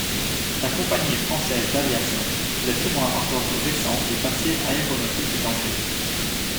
La Compagnie Française d'Aviation est le témoin encore récent du passé aéronautique d'Angers.